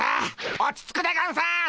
落ち着くでゴンス。